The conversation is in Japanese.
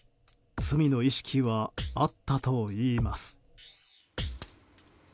罪の意識はあったといいます。